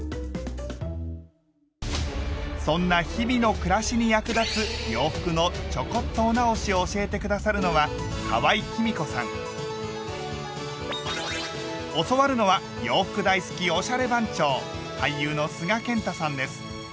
そんな日々の暮らしに役立つ洋服のちょこっとお直しを教えて下さるのは教わるのは洋服大好きおしゃれ番長！